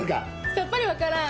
さっぱり分からん。